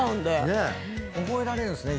覚えられるんすね？